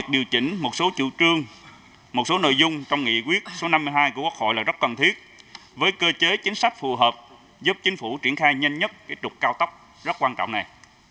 điều chỉnh một số chủ trương một số nội dung trong nghị quyết số năm mươi hai của quốc hội là rất cần thiết với cơ chế chính sách phù hợp giúp chính phủ triển khai nhanh nhất trục cao tốc rất quan trọng này